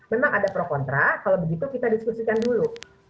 memang ada pro kontra kalau begitu kita diskusikan dulu